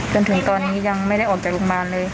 จนถึงตอนนี้ยังไม่ได้ออกจากโรงพยาบาลเลย